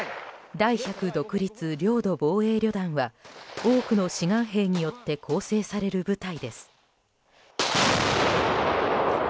第１００独立領土防衛旅団は多くの志願兵によって構成される部隊です。